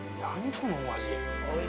このお味。